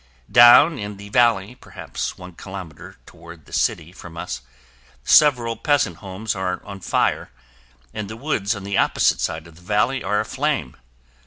Down in the valley, perhaps one kilometer toward the city from us, several peasant homes are on fire and the woods on the opposite side of the valley are aflame.